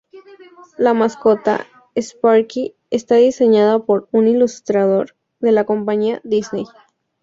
La mascota, "Sparky", está diseñada por un ilustrador de la compañía Disney.